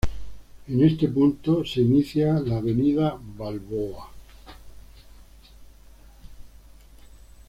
En este punto inicia la Avenida Balboa.